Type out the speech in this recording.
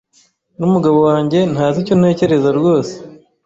N'umugabo wanjye ntazi icyo ntekereza rwose.